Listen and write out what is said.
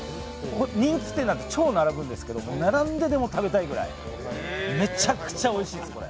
人気店で並ぶんですけど並んででも食べたいぐらいめちゃくちゃおいしいです、これ。